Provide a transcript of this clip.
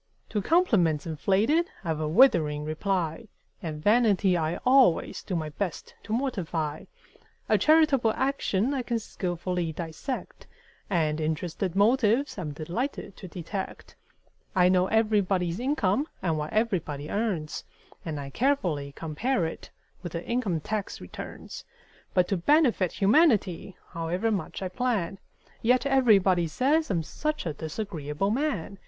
To compliments inflated I've a withering reply; And vanity I always do my best to mortify; A charitable action I can skilfully dissect: And interested motives I'm delighted to detect. I know everybody's income and what everybody earns, And I carefully compare it with the income tax returns; But to benefit humanity, however much I plan, Yet everybody says I'm such a disagreeable man!